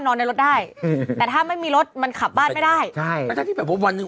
นอนในรถได้อืมแต่ถ้าไม่มีรถมันขับบ้านไม่ได้ใช่แล้วถ้าที่แบบว่าวันหนึ่ง